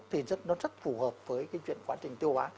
thì nó rất phù hợp với cái chuyện quá trình tiêu hóa